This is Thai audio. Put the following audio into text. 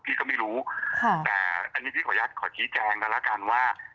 พี่ก็ไม่รู้แต่อันนี้พี่ขออนุญาตขอชี้แจงกันแล้วกันว่า